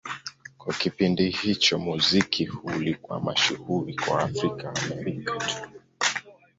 Kwa kipindi hicho, muziki huu ulikuwa mashuhuri kwa Waafrika-Waamerika tu.